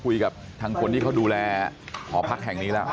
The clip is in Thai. คุยกับทางคนที่เขาดูแลหอพักแห่งนี้แล้ว